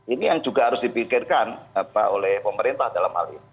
ini yang juga harus dipikirkan oleh pemerintah dalam hal ini